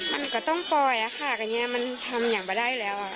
มันก็ต้องปล่อยอ่ะค่ะก็อย่างนี้มันทำอย่างบรรดาอยู่แล้วอ่ะ